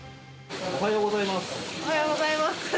おはようございます。